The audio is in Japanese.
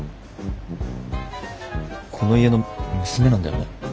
この家の娘なんだよね？